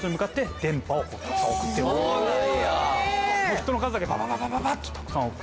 人の数だけババババババッとたくさん。